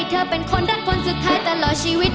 ให้เธอเป็นคนด้านคนสุดท้ายตลอดชีวิต